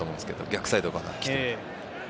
逆サイドから来て。